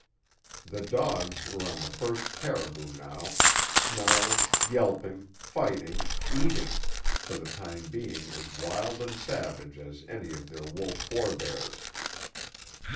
The dogs were on the first caribou now, snarling, yelping, fighting, eating, for the time being as wild and savage as any of their wolf forebears.